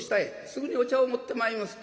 「すぐにお茶を持ってまいります」。